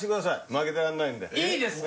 負けてらんないんでいいですか？